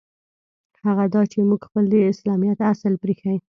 هغه دا چې موږ خپل د اسلامیت اصل پرېیښی.